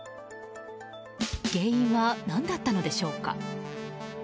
原因は何だったのでしょうか。